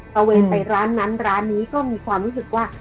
ระเวนไปร้านนั้นร้านนี้ก็มีความรู้สึกว่า